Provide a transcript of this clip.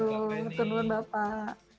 selamat malam terima kasih mbak fadis